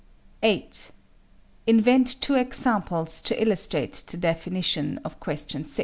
8. Invent two examples to illustrate the definition (question 6).